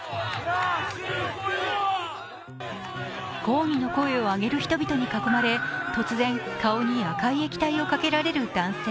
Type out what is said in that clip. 抗議の声を上げる人々に囲まれ突然、顔に赤い液体をかけられる男性。